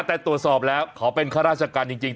แต่ตรวจสอบแล้วเขาเป็นข้าราชการจริง